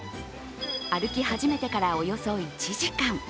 歩き始めてからおよそ１時間。